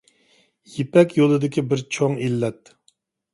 يىپەك يولىدىكى بىر چوڭ ئىللەت